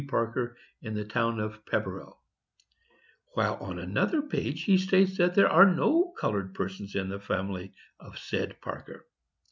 Parker, in the town of Pepperell; while on another page he states that there are no colored persons in the family of said Parker.